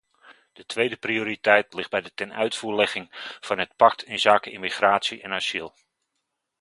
De tweede prioriteit ligt bij de tenuitvoerlegging van het pact inzake immigratie en asiel.